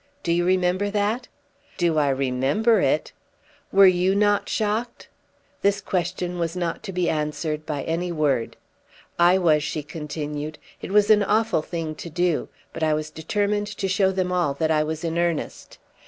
Do you remember that?" "Do I remember it!" "Were not you shocked?" This question was not to be answered by any word. "I was," she continued. "It was an awful thing to do; but I was determined to show them all that I was in earnest.